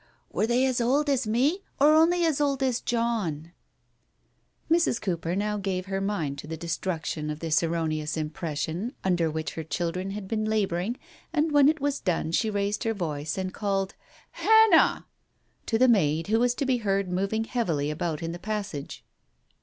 "Were they as old as me, or only as old as John ?" Digitized by Google 224 TALES OF THE UNEASY Mrs. Cooper now gave her mind to the destruction of this erroneous impression under which her children had been labouring, and when it was done she raised her voice, and called " Hannah !" to the maid, who was to be heard moving heavily about in the passage.